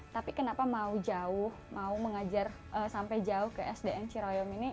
tapi kenapa mau jauh mau mengajar sampai jauh ke sdn ciroyom ini